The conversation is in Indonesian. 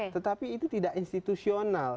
tetapi itu tidak institusional